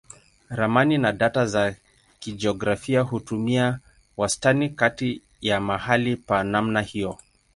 Ramani na data za kijiografia hutumia wastani kati ya mahali pa namna hiyo.